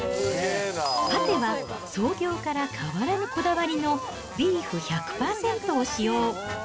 パテは創業から変わらぬこだわりのビーフ１００％を使用。